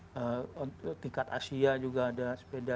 jadi kemarin saya sampaikan saya juga tingkat asia juga ada sepeda